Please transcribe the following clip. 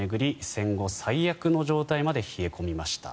戦後最悪の状態まで冷え込みました。